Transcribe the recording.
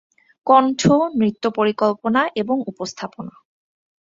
কন্ঠ, নৃত্য পরিকল্পনা এবং উপস্থাপনা।